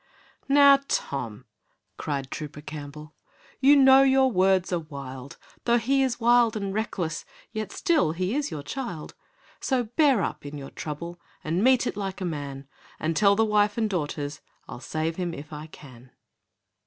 'Now, Tom,' cried Trooper Campbell, 'You know your words are wild. Though he is wild and reckless, Yet still he is your child; So bear up in your trouble, And meet it like a man, And tell the wife and daughters I'll save him if I can.'